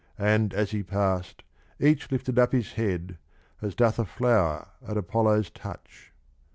And, as he pass'd, each lifted up his head, As doth a flower at Apollo's touch.